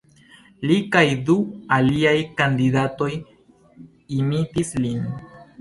Li kaj du aliaj kandidatoj imitis lin.